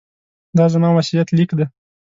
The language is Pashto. دا زما وصیت لیک دی.